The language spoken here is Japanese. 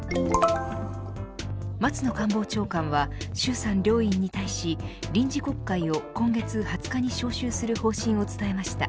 松野官房長官は衆参両院に対し臨時国会を今月２０日に召集する方針を伝えました。